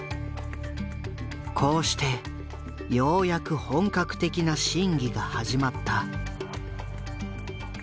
こうしてようやく本格的な審議が始まった。